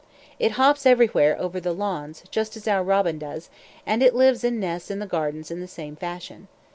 It hops everywhere over the lawns, just as our robin does, and it lives and nests in the gardens in the same fashion.